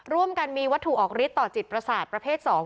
ร่วมกันมีวัตถุออกฤทธิต่อจิตประสาทประเภท๒